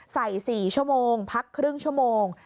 ใส่๔ชั่วโมงพักครึ่งชั่วโมง